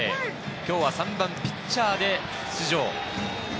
今日は３番ピッチャーで出場。